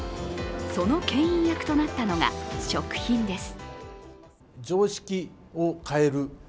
そのけん引役となったのが食品です。